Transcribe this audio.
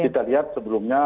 kita lihat sebelumnya